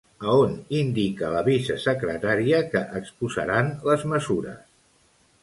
A on indica la vicesecretaria que exposaran les mesures?